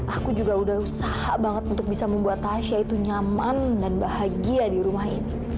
aku juga udah usaha banget untuk bisa membuat tasya itu nyaman dan bahagia di rumah ini